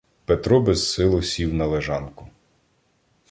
Петро безсило сів на лежанку.